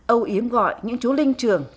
âu yếm gọi những chú linh trưởng